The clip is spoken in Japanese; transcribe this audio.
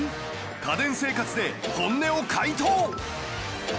家電生活で本音を回答